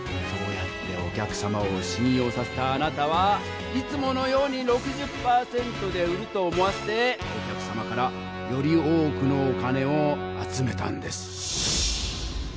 そうやってお客様をしん用させたあなたはいつものように６０％で売ると思わせてお客様からより多くのお金を集めたんです。